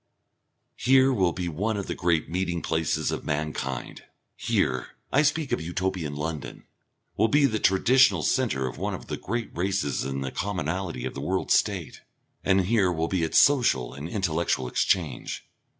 Here will be one of the great meeting places of mankind. Here I speak of Utopian London will be the traditional centre of one of the great races in the commonalty of the World State and here will be its social and intellectual exchange.